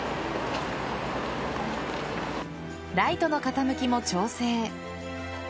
ライトの傾きも調整。